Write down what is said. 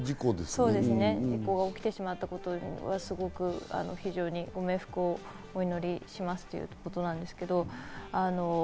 こういう事故が起きてしまったことは不幸なことで、ご冥福をお祈りしますということなんですけど。